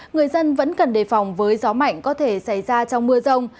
người dân vẫn cần đề phòng với gió mạnh có thể xảy ra trong mưa rông